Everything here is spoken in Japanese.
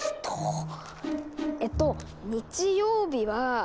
えっと日曜日は。